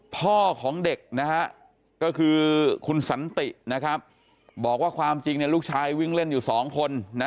พ่อของเด็กนะฮะก็คือคุณสันตินะครับบอกว่าความจริงลูกชายวิ่งเล่นอยู่๒คน